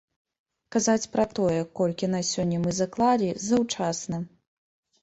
Казаць пра тое, колькі на сёння мы заклалі, заўчасна.